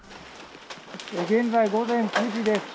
現在午前９時です。